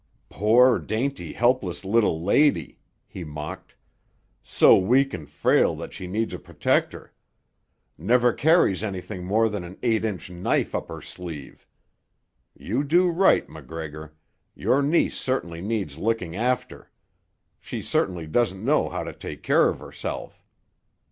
"Poor, dainty, helpless, little lady!" he mocked. "So weak and frail that she needs a protector. Never carries anything more than an eight inch knife up her sleeve. You do right, MacGregor; your niece certainly needs looking after. She certainly doesn't know how to take care of herself.